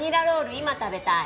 今食べたい。